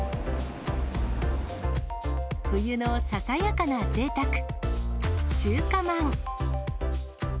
冬のささやかなぜいたく、中華まん。